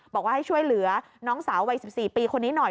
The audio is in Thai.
บอกว่าให้ช่วยเหลือน้องสาววัย๑๔ปีคนนี้หน่อย